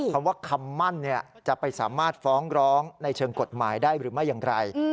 คำว่าคำมั่นจะไปสามารถฟ้องร้องในเชิงกฎหมายได้หรือไม่อย่างไร